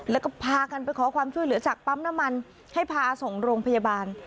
แล้วก็พากันไปขอความช่วยเหลือจากปั๊มน้ำมันให้พาส่งโรงพยาบาล